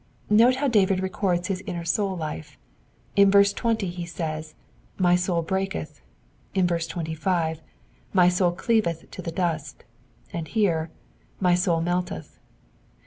Note how David records his inner soul life. In verse 20 he says, My soul breaketh ;*' in verse 25, *' My soul cleaveth to the dust ;*' and here, " My soul melteth.